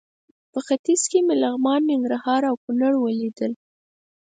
په ختیځ کې مې لغمان، ننګرهار او کونړ ولیدل.